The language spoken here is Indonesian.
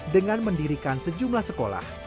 dengan mendirikan sejumlah sekolah